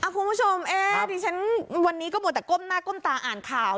คุณผู้ชมวันนี้ก็มัวแต่ก้มหน้าก้มตาอ่านข่าว